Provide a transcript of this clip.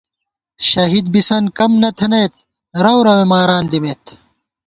شہید بِسنت کم نہ تھنئیت، رؤروے ماران دِمېت